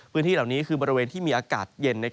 พื้นที่เหล่านี้คือบริเวณที่มีอากาศเย็น